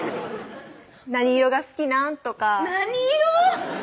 「何色が好きなん？」とか何色？